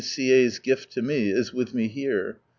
W.C.A.'s gift to me, is with me here.